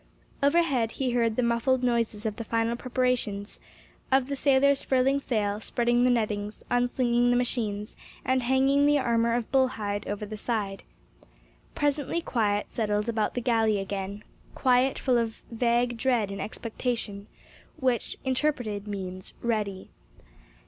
Overhead he heard the muffled noises of the final preparations—of the sailors furling sail, spreading the nettings, unslinging the machines, and hanging the armor of bull hide over the side. Presently quiet settled about the galley again; quiet full of vague dread and expectation, which, interpreted, means READY.